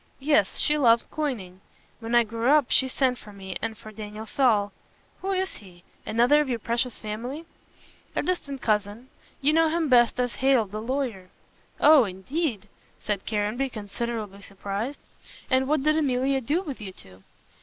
Yes, she loved coining. When I grew up she sent for me and for Daniel Saul " "Who is he? Another of your precious family." "A distant cousin. You know him best as Hale the lawyer." "Oh, indeed," said Caranby, considerably surprised, "and what did Emilia do with you two?"